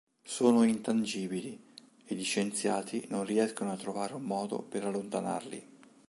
Sono intangibili e gli scienziati non riescono a trovare un modo per allontanarli.